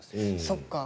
そっか。